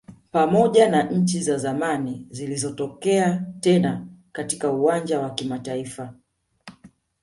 Pamoja na nchi za zamani zilizotokea tena katika uwanja wa kimataifa